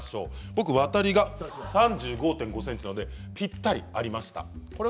僕はワタリが３５．５ｃｍなのでぴったりありました。